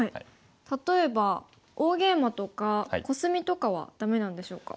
例えば大ゲイマとかコスミとかはダメなんでしょうか。